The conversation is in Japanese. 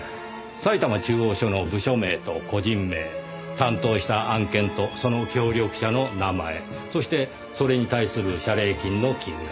埼玉中央署の部署名と個人名担当した案件とその協力者の名前そしてそれに対する謝礼金の金額。